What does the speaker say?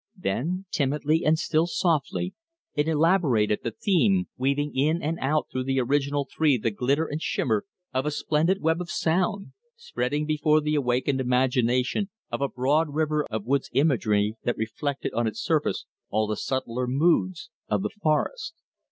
Then, timidly and still softly, it elaborated the theme, weaving in and out through the original three the glitter and shimmer of a splendid web of sound, spreading before the awakened imagination a broad river of woods imagery that reflected on its surface all the subtler moods of the forest.